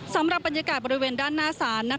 สำหรับบรรยากาศบริเวณด้านหน้าศาล